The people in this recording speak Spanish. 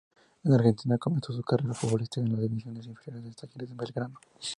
En Argentina comenzó su carrera futbolística en las divisiones inferiores de Talleres de Belgrano.